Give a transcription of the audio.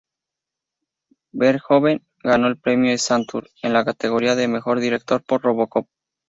Verhoeven ganó el Premio Saturn en la categoría de mejor director por "Robocop".